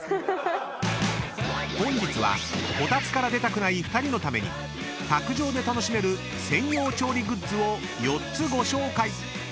［本日はこたつから出たくない２人のために卓上で楽しめる専用調理グッズを４つご紹介］